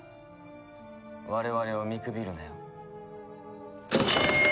我々を見くびるなよ。